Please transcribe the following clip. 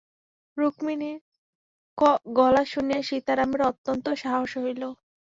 রুক্মিণীর গলা শুনিয়া সীতারামের অত্যন্ত সাহস হইল।